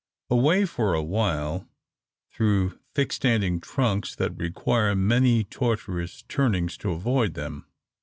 A way for a while through thick standing trunks that require many tortuous turnings to avoid them.